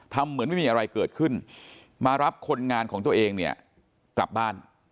เหมือนไม่มีอะไรเกิดขึ้นมารับคนงานของตัวเองเนี่ยกลับบ้าน